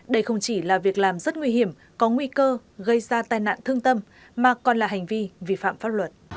đây không chỉ là việc làm rất nguy hiểm có nguy cơ gây ra tai nạn thương tâm mà còn là hành vi vi phạm pháp luật